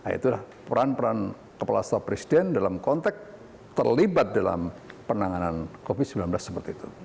itulah peran peran kepala staf presiden dalam konteks terlibat dalam kondisi pandemi ini